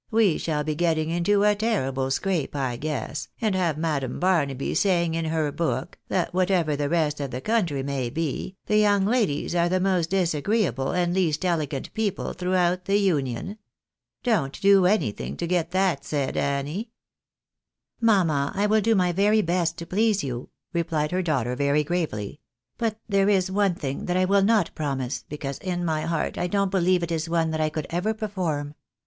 we shall be getting into a terrible scrape, I guess, and having Madam Barnaby saying in her book, that whatever the rest of the country may be, the young ladies are the most disagreeable and least elegant people throughout the Union. Don't be doing anything to get that said, Annie !" 70 THE BARNABYS IN AMERICA. " Mamma ! I •will do my very best to please you," replied her daughter, very gravely ;" but there is one thing that I will not promise, because in my heart I don't beheve it is one that I could ever perform.